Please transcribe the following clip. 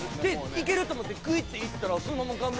いけると思ってグイッといったらそのまま顔面。